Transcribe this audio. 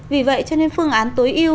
vì vậy cho nên phương án tối ưu